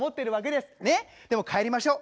でも帰りましょう。